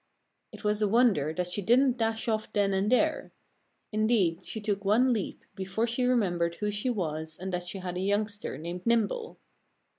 It was a wonder that she didn't dash off then and there. Indeed she took one leap before she remembered who she was and that she had a youngster named Nimble.